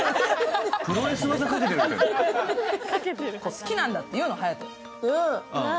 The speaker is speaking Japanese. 「好きなんだ」って言うの、隼人。